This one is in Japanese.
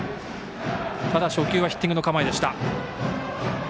ただ、初球はヒッティングの構えでした。